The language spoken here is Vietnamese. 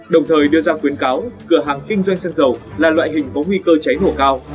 đồng thời đưa ra khuyến cáo cửa hàng kinh doanh sân cầu là loại hình có nguy cơ cháy nổ cao